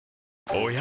おや？